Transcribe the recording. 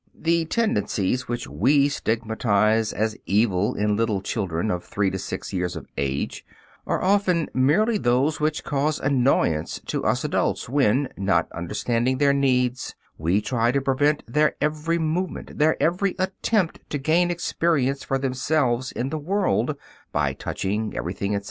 The tendencies which we stigmatize as evil in little children of three to six years of age are often merely those which cause annoyance to us adults when, not understanding their needs, we try to prevent their every movement, their every attempt to gain experience for themselves in the world (by touching everything, etc.).